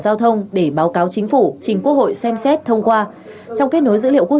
giao thông để báo cáo chính phủ chính quốc hội xem xét thông qua trong kết nối dữ liệu quốc